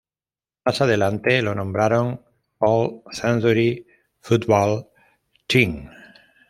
Más adelante, lo nombraron All-Century Football team.